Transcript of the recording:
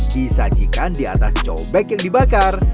disajikan di atas cobek yang dibakar